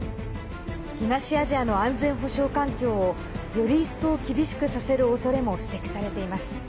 東アジアの安全保障環境をより一層、厳しくさせるおそれも指摘されています。